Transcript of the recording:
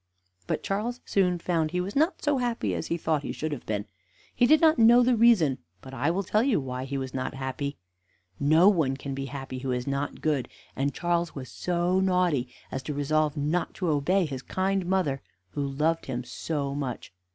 But Charles soon found he was not so happy as he thought he should have been; he did not know the reason, but I will tell you why he was not happy. No one can be happy who is not good, and Charles was so naughty as to resolve not to obey his kind mother, who loved him so much.